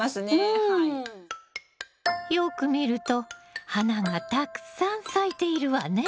よく見ると花がたくさん咲いているわね！